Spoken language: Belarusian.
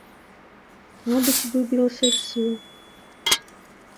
Мабыць, выбілася з сіл.